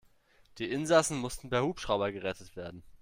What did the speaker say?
Die Insassen mussten per Hubschrauber gerettet werden.